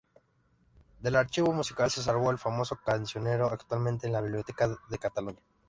Del archivo musical se salvó el famoso Cancionero, actualmente en la Biblioteca de Cataluña.